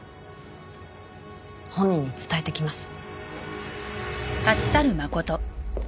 本人に伝えてきます。